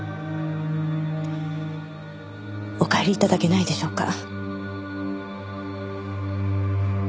お帰り頂けないでしょうか。